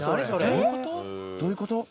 どういうこと？